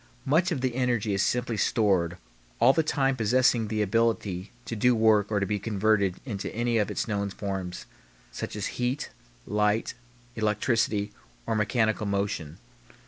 Much of the energy is simply stored all the time possessing the ability to do work or to be converted into any of its known forms, such as heat, light, electricity, or mechanical motion.